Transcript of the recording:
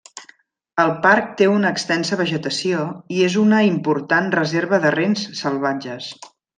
El parc té una extensa vegetació i és una important reserva de rens salvatges.